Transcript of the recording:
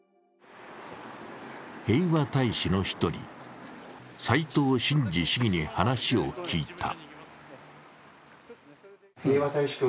平和大使の１人、斎藤伸志市議に話を聞いた。